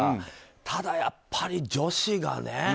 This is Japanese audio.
ただ、やっぱり女子がね。